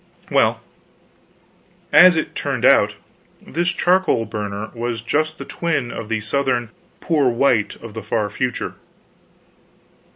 Well, as it turned out, this charcoal burner was just the twin of the Southern "poor white" of the far future.